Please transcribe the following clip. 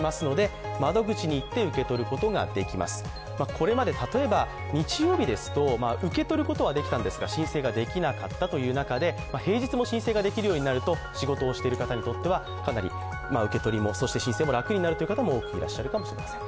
これまで例えば、日曜日ですと受け取ることはできたんですが申請ができなかったという中で平日も申請ができるようになると、仕事をしている方に関してはかなり受け取りも、そして申請も楽になる方も多くいらっしゃるかもしれません。